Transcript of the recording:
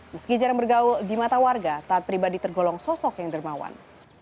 meski jarang bergaul di mata warga taat pribadi tergolong sosok yang dermawan